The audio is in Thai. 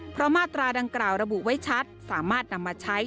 เพราะมาตราดังกล่าวระบุไว้ชัดสามารถนำมาใช้